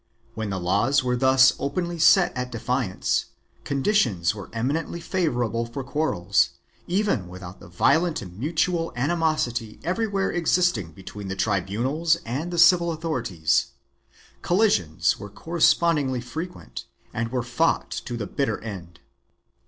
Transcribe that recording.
1 When the laws were thus openly set at defiance, conditions were eminently favorable for quarrels, even without the violent mutual animosity every where existing between the tribunals and the civil authorities; collisions were correspondingly frequent and were fought to the bitter end.